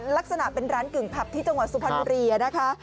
ลักษณะเป็นร้านกึ่งผับที่จังหวัดสุพรรณบุรีนะคะ